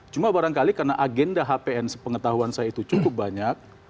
cuma barangkali karena agenda hpn sepengetahuan saya itu cukup banyak